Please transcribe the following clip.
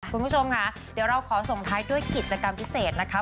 คุณผู้ชมค่ะเดี๋ยวเราขอส่งท้ายด้วยกิจกรรมพิเศษนะคะ